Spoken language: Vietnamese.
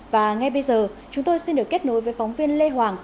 và ngay bây giờ chúng tôi xin được kết nối với phóng viên lê hoàng